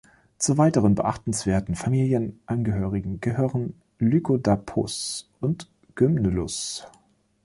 Zu den weiteren beachtenswerten Familienangehörigen gehören „Lycodapus“ und „Gymnelus“.